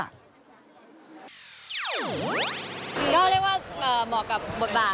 หรือว่าตัวตนพอไม่ได้นะ